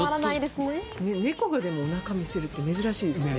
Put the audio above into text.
猫がおなかを見せるって珍しいですよね。